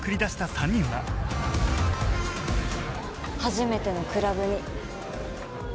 初めてのクラブに。